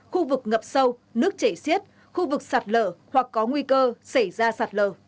khu vực ngập sâu nước chảy xiết khu vực sạt lở hoặc có nguy cơ xảy ra sạt lở